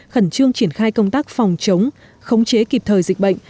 khẩn trương triển khai công tác phòng chống khống chế kịp thời dịch bệnh